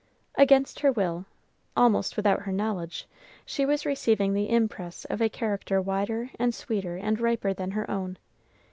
Against her will, almost without her knowledge, she was receiving the impress of a character wider and sweeter and riper than her own.